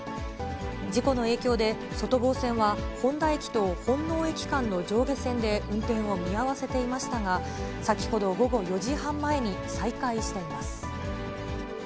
事故の影響で、外房線は誉田駅と本納駅間の上下線で運転を見合わせていましたが、先ほど午後４時半前に再開しています。